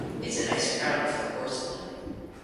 It's a nice crown for the porcelain.